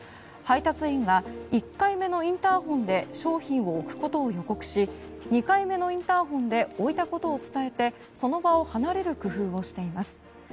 配達員が１回目のインターホンで商品を置くことを予告し２回目のインターホンで置いたことを伝えて、その場を離れる工夫をしています。